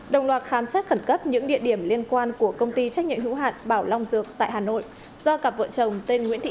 đồng loạt khám xét khẩn cấp những địa điểm liên quan của công ty trách nhiệm hữu hạn bảo long dược tại hà nội